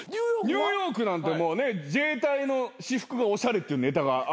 ニューヨークなんて自衛隊の私服がおしゃれっていうネタがあるよね？